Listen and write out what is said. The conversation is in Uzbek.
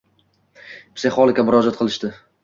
psixologga murojaat qilishdi.